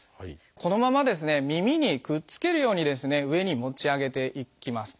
このまま耳にくっつけるようにですね上に持ち上げていきます。